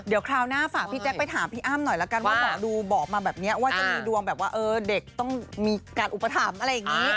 เดี๋ยวคราวหน้าฝากพี่แต๊กไปถามพี่อ้ามหน่อยละกันว่าบอกมาแบบเนี้ยว่าจะมีดวงแบบว่าเออเด็กต้องมีการอุปถามอะไรอย่างนี้นะคะ